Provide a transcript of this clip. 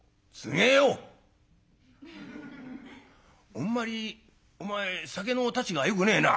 「あんまりお前酒のたちがよくねえな」。